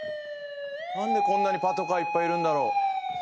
何でこんなにパトカーいっぱいいるんだろう？